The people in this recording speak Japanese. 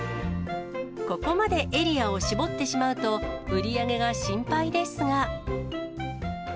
ここまでエリアを絞ってしまうと、売り上げが心配ですが。